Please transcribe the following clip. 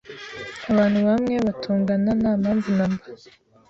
Abantu bamwe batongana nta mpamvu namba.